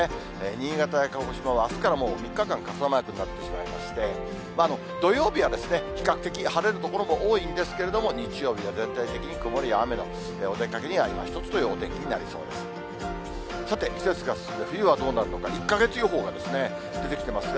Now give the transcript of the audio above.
新潟や鹿児島はあすからもう３日間傘マークなってしまいまして、土曜日は比較的、晴れる所も多いんですけれども、日曜日は全体的に曇りや雨の、お出かけには今一つというお天気になりそうです。